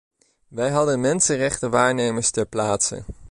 Wij hadden mensenrechtenwaarnemers ter plaatse.